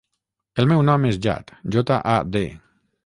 El meu nom és Jad: jota, a, de.